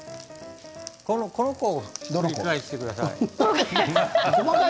この子をひっくり返してください。